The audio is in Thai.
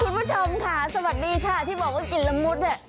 คุณผู้ชมค่ะสวัสดีค่ะที่บอกว่ากลิ่นละมุดเนี่ย